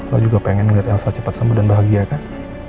lo juga pengen ngeliat elsa cepet sembuh dan bahagia kan